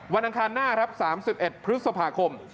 อังคารหน้าครับ๓๑พฤษภาคม